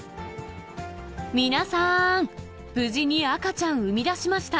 みなさーん、無事に赤ちゃん生み出しました。